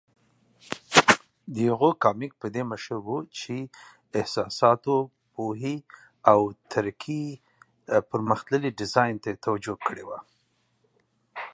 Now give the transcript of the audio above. His comics are known for their emphasis on emotional, lyrical logic and innovative design.